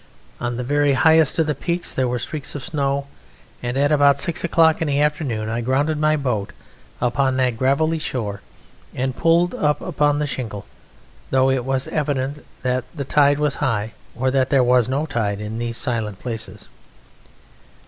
On the very highest of the peaks there were streaks of snow, and at about six o'clock in the afternoon I grounded my boat upon that gravelly shore and pulled it up upon the shingle, though it was evident either that the tide was high or that there was no tide in these silent places.